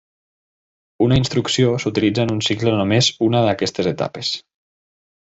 Una instrucció s'utilitza en un cicle només una d'aquestes etapes.